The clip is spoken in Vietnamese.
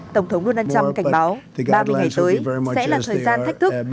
tổng thống donald trump cảnh báo ba mươi ngày tới sẽ là thời gian thách thức